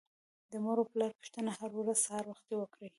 د مور او پلار پوښتنه هر ورځ سهار وختي وکړئ.